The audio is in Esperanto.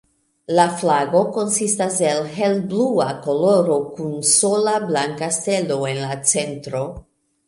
La flago konsistas el helblua koloro kun sola blanka stelo en la centro.